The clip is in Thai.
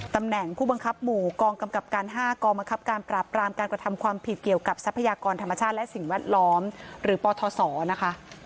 ตำแหน่งผู้บังคับหมู่กองกำกับการ๕กองบังคับการปราบรามการกระทำความผิดเกี่ยวกับทรัพยากรธรรมชาติและสิ่งแวดล้อมหรือปทศนะคะ